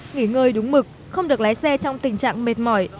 nghỉ ngơi đúng mực không được lái xe trong tình trạng mệt mỏi